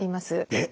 えっ！？